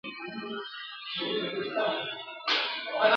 لکه څوک چي تاريخ او سیر درواغجن ګڼي